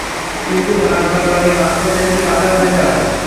কিন্তু ঢাল তলোয়ারের মাঝপথে এসে বাধা হয়ে দাঁড়ায়।